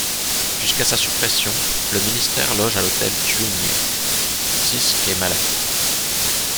Jusqu'à sa suppression, le ministère loge à l'hôtel Juigné sis quai Malaquais.